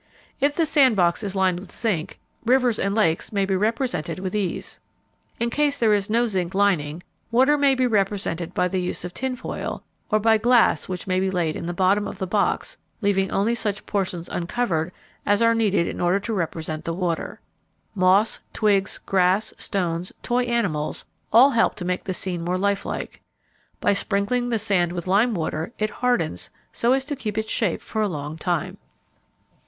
If the sand box is lined with zinc, rivers and lakes may be represented with ease. In case there is no zinc lining, water may be represented by the use of tin foil, or by glass which may be laid in the bottom of the box, leaving only such portions uncovered as are needed in order to represent the water. Moss, twigs, grass, stones, toy animals all help to make the scene more lifelike. By sprinkling the sand with lime water it hardens so as to keep its shape for a long time.